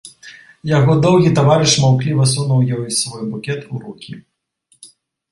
Яго доўгі таварыш маўкліва сунуў ёй свой букет у рукі.